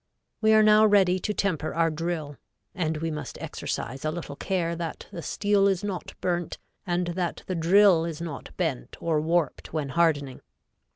We are now ready to temper our drill, and we must exercise a little care that the steel is not burnt and that the drill is not bent or warped when hardening.